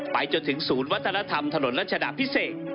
ไปจนถึงศูนย์วัฒนธรรมถนนรัชดาพิเศษ